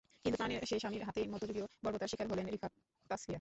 কিন্তু প্রাণের সেই স্বামীর হাতেই মধ্যযুগীয় বর্বরতার শিকার হলেন রিফাহ তাসফিয়া।